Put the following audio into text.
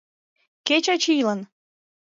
Кеч ачийлан.